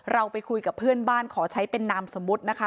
เราไปคุยกับเพื่อนบ้านขอใช้เป็นนามสมมุตินะคะ